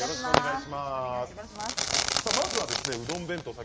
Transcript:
まずは、うどん弁当。